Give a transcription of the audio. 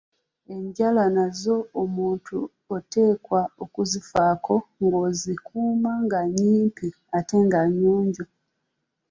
Enjala nazo omuntu oteekwa okuzifaako nga ozikuuma nga nnyimpi ate nga nnyonjo.